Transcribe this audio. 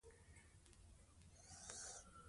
د خپل فرهنګ او ژبې ساتنه وکړئ.